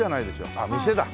あっ店だ。